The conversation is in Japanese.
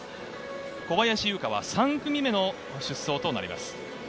小林優香は３組目の出走となります。